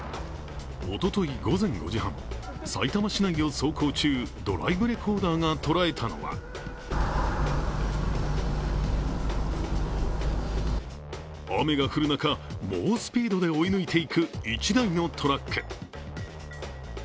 おととい午前５時半、さいたま市内を走行中、ドライブレコーダーが捉えたのは雨が降る中、猛スピードで追い抜いていく１台のトラック。